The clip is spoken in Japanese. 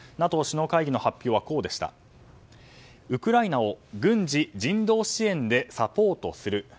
ＮＡＴＯ首脳会議の発表はウクライナを軍事・人道支援でサポートする。